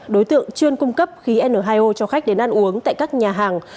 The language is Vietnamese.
đối tượng chuyên cung cấp khí n hai o cho khách đến ăn uống tại các nhà hàng